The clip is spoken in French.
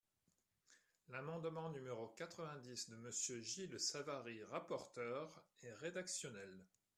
L’amendement numéro quatre-vingt-dix de Monsieur Gilles Savary, rapporteur, est rédactionnel.